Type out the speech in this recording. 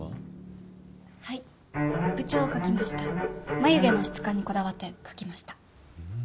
眉毛の質感にこだわって描きました。